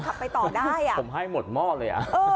ขับไปต่อได้อ่ะ